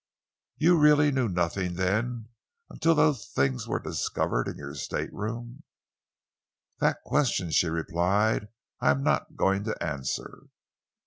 "You really knew nothing, then, until those things were discovered in your stateroom?" "That question," she replied, "I am not going to answer."